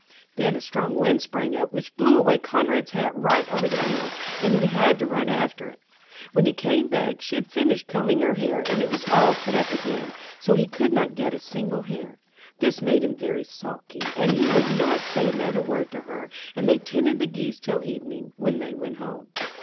Then a strong wind sprang up, which blew away Conrad's hat right over the fields, and he had to run after it. When he came back, she had finished combing her hair, and it was all put up again; so he could not get a single hair. This made him very sulky, and he would not say another word to her. And they tended the geese till evening, when they went home.